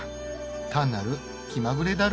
単なる気まぐれだろ。